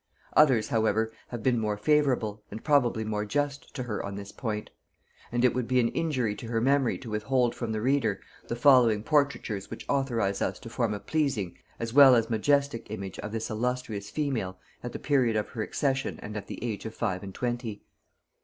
Others however have been more favorable, and probably more just, to her on this point; and it would be an injury to her memory to withhold from the reader the following portraitures which authorize us to form a pleasing as well as majestic image of this illustrious female at the period of her accession and at the age of five and twenty.